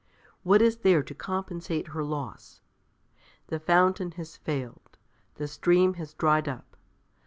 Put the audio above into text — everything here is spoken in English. What is there to compensate her loss? The fountain has failed. The stream has dried up.